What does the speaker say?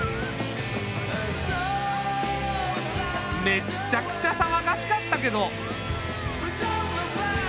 めっちゃくちゃさわがしかったけど。